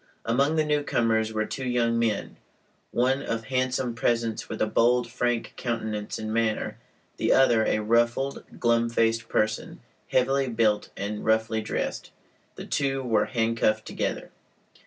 Among the newcomers were two young men, one of handsome presence with a bold, frank countenance and manner; the other a ruffled, glum faced person, heavily built and roughly dressed. The two were handcuffed together.